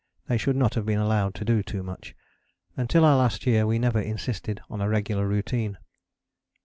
They should not have been allowed to do too much. Until our last year we never insisted on a regular routine.